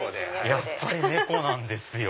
やっぱり猫なんですよ